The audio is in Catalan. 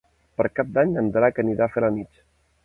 Per Cap d'Any en Drac anirà a Felanitx.